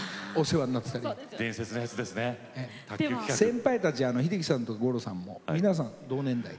先輩たち秀樹さんと五郎さんも皆さん同年代という。